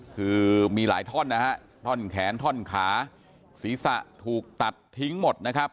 คือมีหลายท่อนนะฮะท่อนแขนท่อนขาศีรษะถูกตัดทิ้งหมดนะครับ